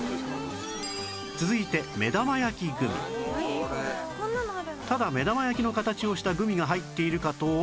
続いてただ目玉焼きの形をしたグミが入っているかと思いきや